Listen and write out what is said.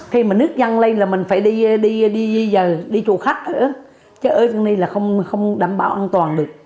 khi mà nước dần lây là mình phải đi chủ khách nữa chứ ở đây là không đảm bảo an toàn được